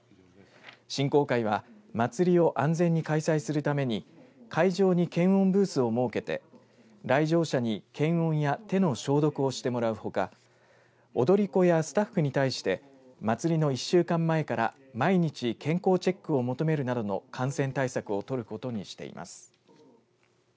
振興会は祭りを安全に開催するために会場に検温ブースを設けて来場者に検温や手の消毒をしてもらうほか踊り子やスタッフに対して祭りの１週間前から毎日、健康チェックを求めるなどの感染対策を取ることにしています。